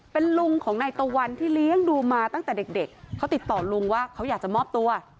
เป็นลุงของนายตะวันที่เลี้ยงดูมาตั้งแต่เด็กเขาติดต่อลุงว่าเขาอยากจะมอบตัว